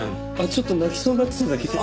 ちょっと泣きそうになってただけで。